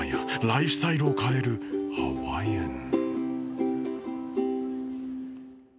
ライフスタイルを変えるハワイアン。